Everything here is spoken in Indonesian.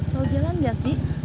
tau jalan gak sih